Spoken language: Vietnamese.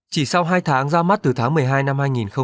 chỉ sau hai tháng ra mắt từ tháng một mươi hai năm hai nghìn hai mươi hai